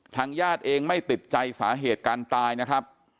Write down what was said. ญาติเองไม่ติดใจสาเหตุการตายนะครับ